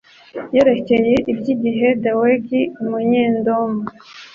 Yerekeye iby’igihe Dowegi Umunyedomu